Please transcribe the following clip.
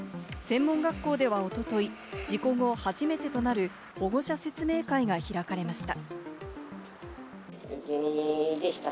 専門学校ではおととい、事故後初めてとなる保護者説明会が開かれました。